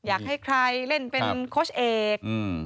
อยากให้ใครเล่นเป็นโค้ชเอก